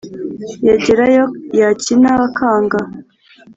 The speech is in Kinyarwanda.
Yagera yo yakina bakanga,